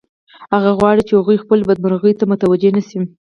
هغه غواړي چې هغوی خپلو بدمرغیو ته متوجه نشي